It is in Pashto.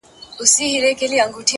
• سل روپۍ پوره كه داختر شپه پر كور كه -